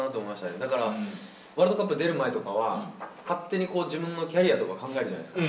だから、ワールドカップ出る前とかは、勝手にこう、自分のキャリアとか考えるじゃないですか。